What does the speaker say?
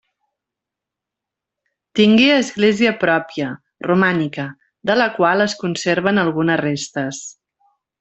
Tingué església pròpia, romànica, de la qual es conserven algunes restes.